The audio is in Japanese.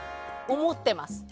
思っています。